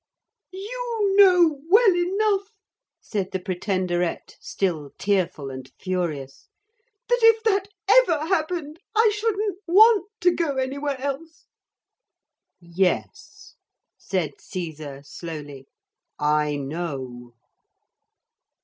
'You know well enough,' said the Pretenderette, still tearful and furious, 'that if that ever happened I shouldn't want to go anywhere else.' 'Yes,' said Caesar slowly, 'I know.'